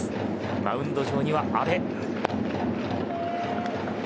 マウンド上には阿部。